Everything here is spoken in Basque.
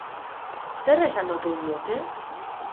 Zer esan ote diote?